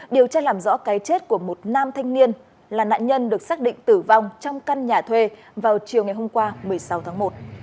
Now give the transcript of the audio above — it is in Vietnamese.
điều tra làm rõ cái chết của một nam thanh niên là nạn nhân được xác định tử vong trong căn nhà thuê vào chiều ngày hôm qua một mươi sáu tháng một